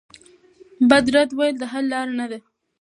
بد رد ویل د حل لاره نه ده.